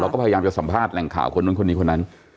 ก็พยายามจะสัมภาษณ์แหล่งข่าวคนนู้นคนนี้คนนั้น